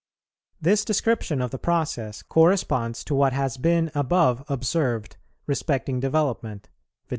This description of the process corresponds to what has been above observed respecting development, viz.